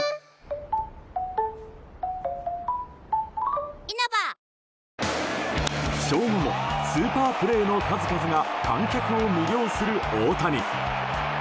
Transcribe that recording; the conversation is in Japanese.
ニトリ負傷後もスーパープレーの数々が観客を魅了する大谷。